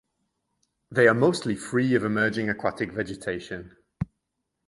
They are mostly free of emerging aquatic vegetation.